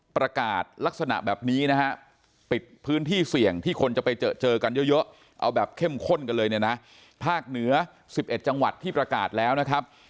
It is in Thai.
ปิดพื้นที่เสี่ยงที่คนจะไปเจอกันเยอะเอาแบบเข้มข้นกันเลยนะภาคเหนือ๑๑จังหวัดที่ประกาศแล้วนะครับ